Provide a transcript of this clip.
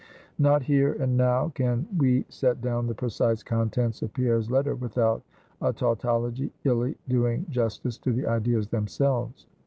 Not here and now can we set down the precise contents of Pierre's letter, without a tautology illy doing justice to the ideas themselves.